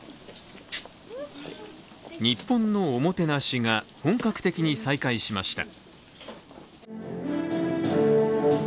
日本のおもてなしが本格的に再開しました。